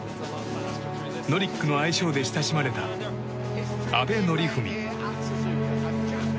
ノリックの愛称で親しまれた阿部典史。